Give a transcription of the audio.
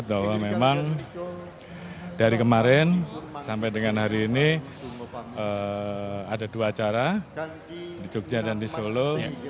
bahwa memang dari kemarin sampai dengan hari ini ada dua acara di jogja dan di solo